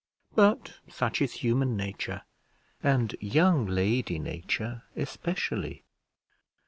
but such is human nature, and young lady nature especially.